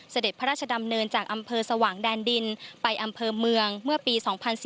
เสด็จพระราชดำเนินจากอำเภอสว่างแดนดินไปอำเภอเมืองเมื่อปี๒๔